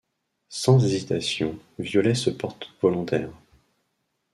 Sans hésitation, Violet se porte volontaire.